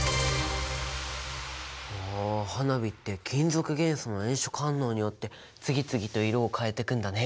ああ花火って金属元素の炎色反応によって次々と色を変えてくんだね。